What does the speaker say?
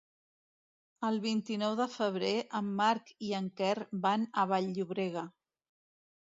El vint-i-nou de febrer en Marc i en Quer van a Vall-llobrega.